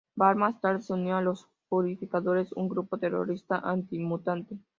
Bard más tarde se unió a los Purificadores, un grupo terrorista anti-mutante.